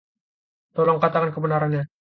Tolong katakan kebenarannya.